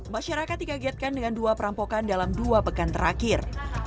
masyarakat dikagetkan dengan dua perampokan dalam dua pekan terakhir